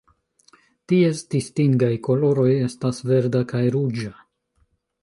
Ties distingaj koloroj estas verda kaj ruĝa.